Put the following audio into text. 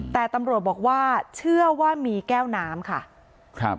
แต่ตำรวจบอกว่าเชื่อว่ามีแก้วน้ำค่ะครับ